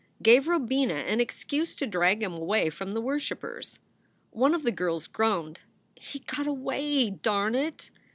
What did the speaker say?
gave Robina an excuse to drag him away from the worshipers. One of the girls groaned, "He got away, darn it!"